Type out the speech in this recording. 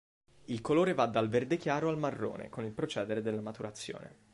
Il colore va dal verde chiaro al marrone con il procedere della maturazione.